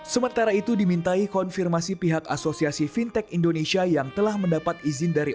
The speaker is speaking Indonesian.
sementara itu dimintai konfirmasi pihak asosiasi fintech indonesia yang telah mendapat izin dari